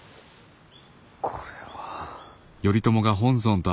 これは。